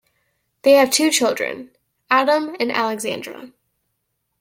They have two children: Adam and Alexandra.